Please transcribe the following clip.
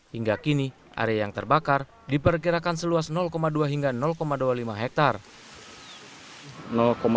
hingga kini area yang terbakar diperkirakan seluas dua hingga dua puluh lima hektare